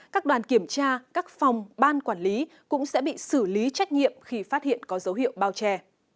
các đoàn kiểm tra các phòng ban quản lý cũng sẽ bị xử lý trách nhiệm khi phát hiện có dấu hiệu bao che